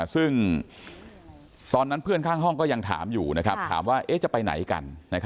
ซึ่งตอนนั้นเพื่อนข้างห้องก็ยังถามอยู่ถามว่าจะไปไหนกัน